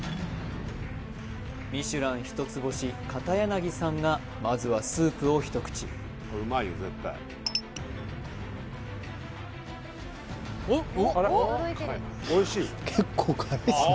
ミシュラン一つ星片柳さんがまずはスープを一口結構辛いっすね